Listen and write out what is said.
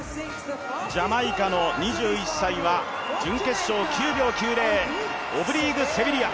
ジャマイカの２１歳は準決勝９秒９０、オブリーク・セビリア。